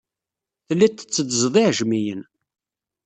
Telliḍ tetteddzeḍ iɛejmiyen.